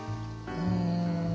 うん。